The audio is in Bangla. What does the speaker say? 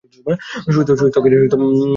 সুস্থ হয়ে গেছেন?